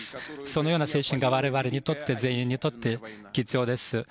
そのような精神が我々全員にとって必要です。